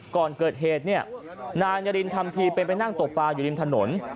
ก่อนเกิดเหตุเนี่ยนายนารินทำทีเป็นไปนั่งตกปลาอยู่ริมถนน